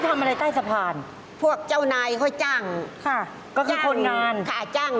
นอนกับเขาเลยเจอกับเหรอ